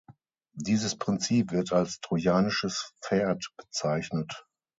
Dieses Prinzip wird als Trojanisches Pferd bezeichnet.